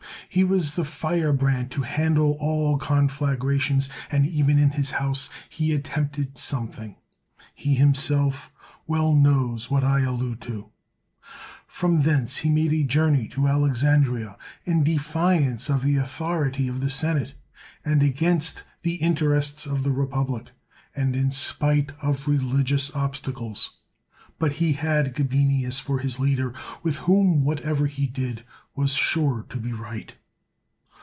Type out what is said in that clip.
He was the fire brand to handle all conflagrations; and even in his house he attempted something. He himself well knows what I allude to. From thence he made a journey to Alexandria, in defiance of the authority of the senate, and against the interests of the republic, and in spite of religious obsta cles; but he had Gabinius for his leader, with whom whatever he did was sure to be right.